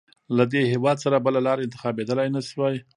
له دې هېواد سره بله لاره انتخابېدلای نه شوای.